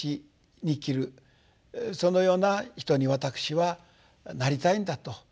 そのような人に私はなりたいんだと。